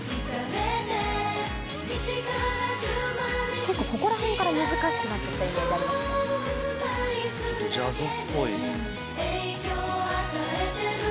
結構、ここらへんから難しくなってきた印象があります。